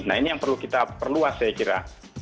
nah ini yang perlu kita perluas saya kira